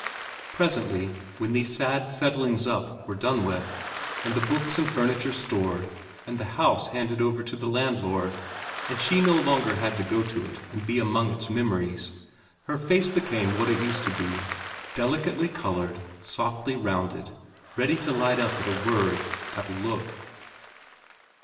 Presently, when these sad settlings up were done with, and the books and furniture stored, and the house handed over to the landlord, and she no longer had to go to it and be among its memories, her face became what it used to be, delicately coloured, softly rounded, ready to light up at a word, at a look.